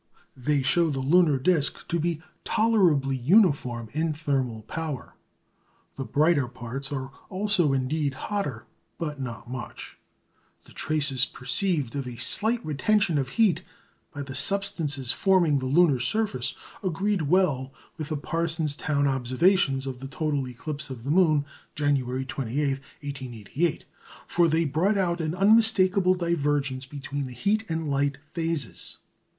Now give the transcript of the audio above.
They show the lunar disc to be tolerably uniform in thermal power. The brighter parts are also indeed hotter, but not much. The traces perceived of a slight retention of heat by the substances forming the lunar surface, agreed well with the Parsonstown observations of the total eclipse of the moon, January 28, 1888. For they brought out an unmistakable divergence between the heat and light phases.